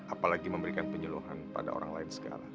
apalagi memberikan penyeluhan pada orang lain segala